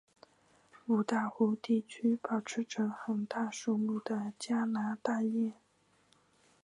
五大湖地区保持着很大数目的加拿大雁。